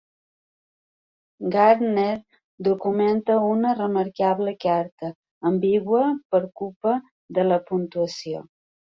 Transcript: Gardner documenta una remarcable carta ambigua per culpa de la puntuació.